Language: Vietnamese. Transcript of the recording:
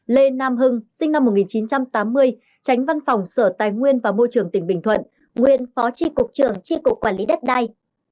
năm lê nam hưng sinh năm một nghìn chín trăm tám mươi tránh văn phòng sở tài nguyên và môi trường tỉnh bình thuận nguyên phó tri cục trường tri cục quản lý đất đai